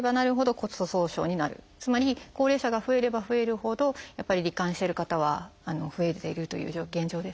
つまり高齢者が増えれば増えるほどやっぱり罹患してる方は増えているという現状ですね。